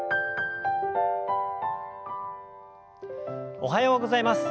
おはようございます。